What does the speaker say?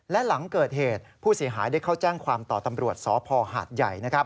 และหลังเกิดเหตุผู้เสียหายได้เข้าแจ้งความต่อตำรวจสพหาดใหญ่